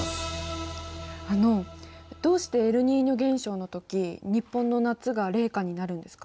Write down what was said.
あのどうしてエルニーニョ現象の時日本の夏が冷夏になるんですか？